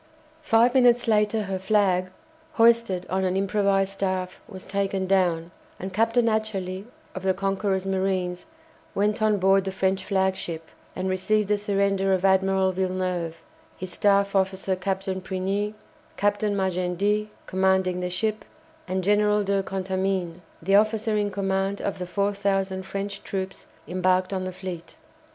Five minutes later her flag, hoisted on an improvised staff, was taken down, and Captain Atcherley, of the "Conqueror's" marines, went on board the French flagship, and received the surrender of Admiral Villeneuve, his staff officer Captain Prigny, Captain Magendie, commanding the ship, and General de Contamine, the officer in command of the 4000 French troops embarked on the fleet.